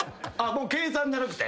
計算じゃなくて？